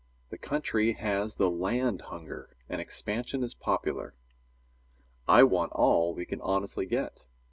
The country has the land hunger and expansion is popular. I want all we can honestly get.